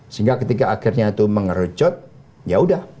sehingga ketika akhirnya itu mengerucut yaudah